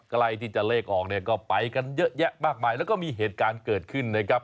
ใกล้ที่จะเลขออกเนี่ยก็ไปกันเยอะแยะมากมายแล้วก็มีเหตุการณ์เกิดขึ้นนะครับ